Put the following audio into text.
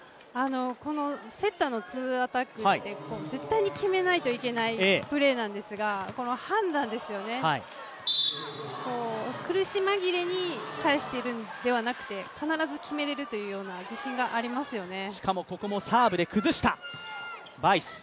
このセッターのツーアタックって絶対に決めないといけないプレーなんですがこの判断ですよね、苦し紛れに返しているんではなくて必ず決めれるというような自信がありますよね。